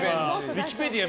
ウィキペディア